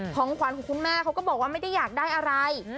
ของขวัญของคุณแม่เขาก็บอกว่าไม่ได้อยากได้อะไร